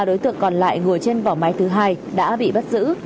ba đối tượng còn lại ngồi trên vỏ máy thứ hai đã bị bắt giữ